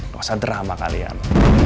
luasa drama kalian